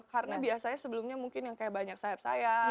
karena biasanya sebelumnya mungkin yang kayak banyak sayap sayap